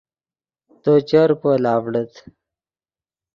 تو چر پول آڤڑیت